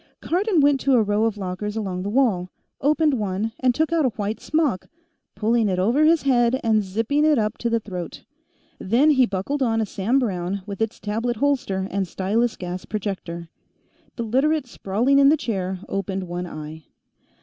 Cardon went to a row of lockers along the wall, opened one, and took out a white smock, pulling it over his head and zipping it up to the throat. Then he buckled on a Sam Browne with its tablet holster and stylus gas projector. The Literate sprawling in the chair opened one eye.